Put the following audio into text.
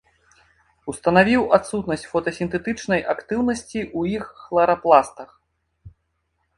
Устанавіў адсутнасць фотасінтэтычнай актыўнасці ў іх хларапластах.